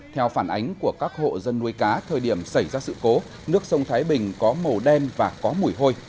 theo phản ánh của các hộ dân nuôi cá thời điểm xảy ra sự cố nước sông thái bình có màu đen và có mùi hôi